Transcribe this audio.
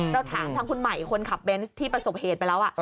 เราถามทางคุณใหม่คนขับเบนส์ที่ประสบเหตุไปแล้ว